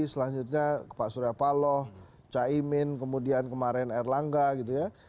selanjutnya pak suryapaloh caimin kemudian kemarin erlangga gitu ya